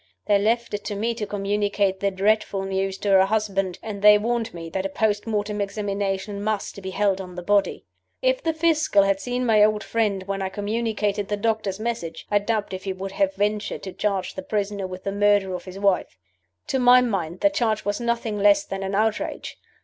They left it to me to communicate the dreadful news to her husband, and they warned me that a post mortem examination must be held on the body. "If the Fiscal had seen my old friend when I communicated the doctors' message, I doubt if he would have ventured to charge the prisoner with the murder of his wife. To my mind the charge was nothing less than an outrage.